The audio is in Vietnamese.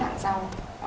bốn lạng rau